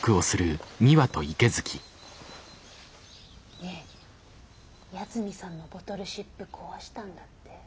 ねえ八海さんのボトルシップ壊したんだって？